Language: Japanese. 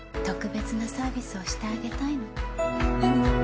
特別なサービスをしてあげたいの。